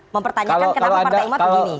mempertanyakan kenapa partai umat begini